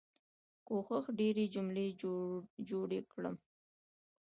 کوښښ ډيرې جملې جوړې کړم.